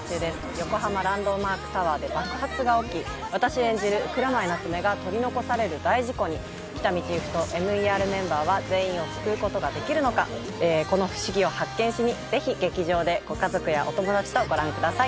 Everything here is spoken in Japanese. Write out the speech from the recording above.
横浜ランドマークタワーで爆発が起き私演じる蔵前夏梅が取り残される大事故に喜多見チーフとＭＥＲメンバーは全員を救うことができるのかこのふしぎを発見しにぜひ劇場でご家族やお友達とご覧ください